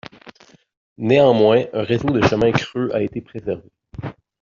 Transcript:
Néanmoins un réseau de chemins creux a été préservé.